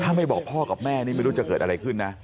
ถ้าไม่บอกพ่อกับแม่นี่ไม่รู้จะเกิดอะไรขึ้นนะ